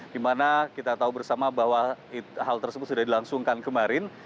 dimana kita tahu bersama bahwa hal tersebut sudah dilangsungkan kemarin